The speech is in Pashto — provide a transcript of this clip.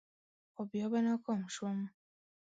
خو بیا به ناکام شوم.